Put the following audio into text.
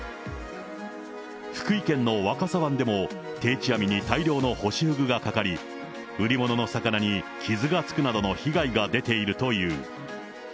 福井県の若狭湾では、定置網に大量のホシフグがかかり、売り物の魚に傷がつくなどの被害が出ているという。